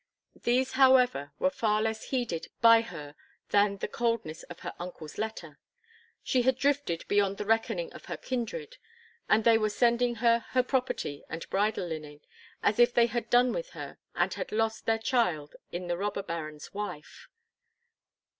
These however were far less heeded by her than the coldness of her uncle's letter. She had drifted beyond the reckoning of her kindred, and they were sending her her property and bridal linen, as if they had done with her, and had lost their child in the robber baron's wife.